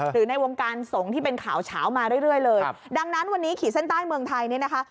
ในวงการสงฆ์ที่เป็นข่าวเฉามาเรื่อยเลยครับดังนั้นวันนี้ขีดเส้นใต้เมืองไทยเนี่ยนะคะ